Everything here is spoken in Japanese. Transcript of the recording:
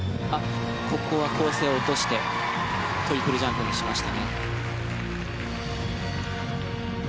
ここは構成を落としてトリプルジャンプにしました。